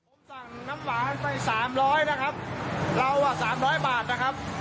ผมสั่งน้ำหวานไป๓๐๐นะครับเราอะ๓๐๐บาทนะครับ